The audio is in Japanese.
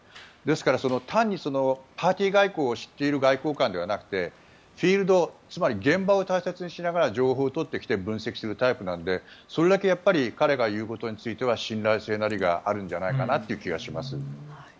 ですから、単にパーティー外交を知っている外交官ではなくてフィールド、つまり現場を大切にしながら情報を取ってきて分析するタイプなのでそれだけ彼が言うことについては信頼性があるような気がします。